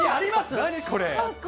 何これ？